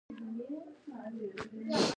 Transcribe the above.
هغه د نورو خزانو د لوټلو څخه ترلاسه کړي وه.